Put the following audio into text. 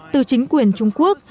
từ chính quyền trung quốc